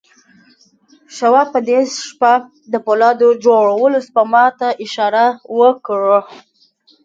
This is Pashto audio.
شواب په دې شپه د پولاد جوړولو سپما ته اشاره وکړه